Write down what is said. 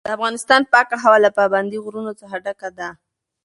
د افغانستان پاکه هوا له پابندي غرونو څخه ډکه ده.